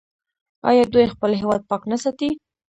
آیا دوی خپل هیواد پاک نه ساتي؟